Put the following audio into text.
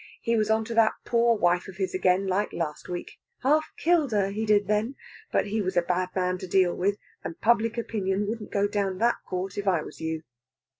He was on to that pore wife of his again, like last week. Half killed her, he did, then! But he was a bad man to deal with, and public opinion wouldn't go down that court if I was you.